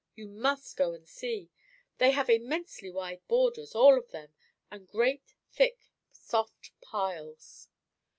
You must go and see. They have immensely wide borders, all of them; and great thick, soft piles."